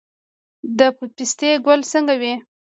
د پستې ګل څنګه وي؟